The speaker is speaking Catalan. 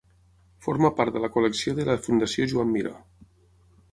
Forma part de la col·lecció de la Fundació Joan Miró.